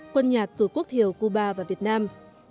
quân nhạc cử quốc thiểu cuba và việt nam